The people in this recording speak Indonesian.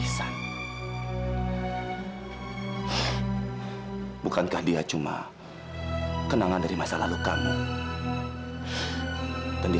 sampai jumpa di video selanjutnya